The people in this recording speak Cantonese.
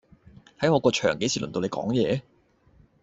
喺我個場幾時輪到你講嘢